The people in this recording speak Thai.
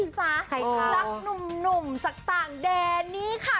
นักหนุ่มจากต่างแดนนี่ค่ะ